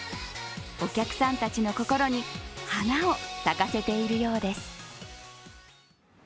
お客さんたちの心に花を咲かせているようです。